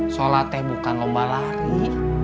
sholat eh bukan lomba lari